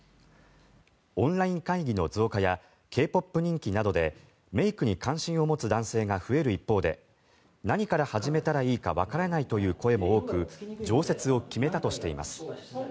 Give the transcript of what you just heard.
オンライン会議の増加やＫ−ＰＯＰ人気などでメイクに関心を持つ男性が増える一方で何から始めたらいいかわからないという声も多く常設を決めたとしています。